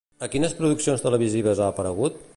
A quines produccions televisives ha aparegut?